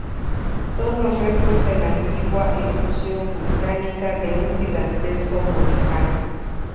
Son los restos de la antigua erupción volcánica de un gigantesco volcán.